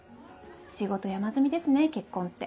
仕事山積みですね結婚って。